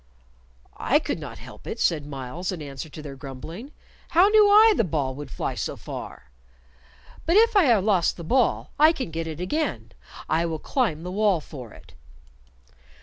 "I could not help it," said Myles, in answer to their grumbling. "How knew I the ball would fly so far? But if I ha' lost the ball, I can get it again. I will climb the wall for it."